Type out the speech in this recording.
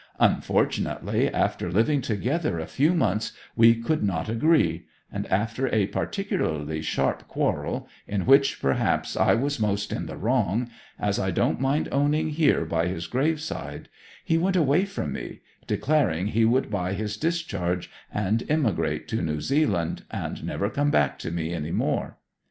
Unfortunately, after living together a few months, we could not agree; and after a particularly sharp quarrel, in which, perhaps, I was most in the wrong as I don't mind owning here by his graveside he went away from me, declaring he would buy his discharge and emigrate to New Zealand, and never come back to me any more.